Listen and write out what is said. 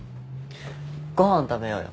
ご飯食べようよ。